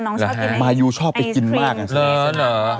น้องชอบกินไอศกรีมมายูชอบไปกินมากนะ